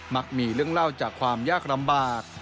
มักมีเรื่องเล่าจากความยากลำบาก